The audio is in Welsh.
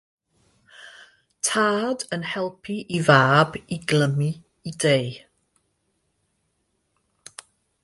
Tad yn helpu ei fab i glymu ei dei.